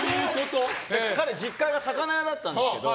彼、実家が魚屋だったんですけど。